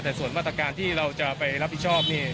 แต่ส่วนมาตรการที่เราจะไปรับผิดชอบนี่